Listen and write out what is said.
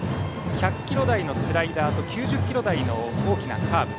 １００キロ台のスライダーと９０キロ台の大きなカーブ